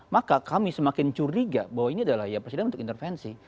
maka kami semakin curiga bahwa ini adalah ya presiden untuk intervensi